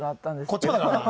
こっちもだからな。